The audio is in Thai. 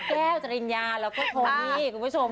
ก้าวเจรนยาและโทนี่